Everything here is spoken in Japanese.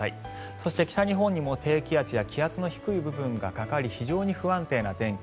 そして北日本にも低気圧や気圧の低い部分がかかり非常に不安定な天気。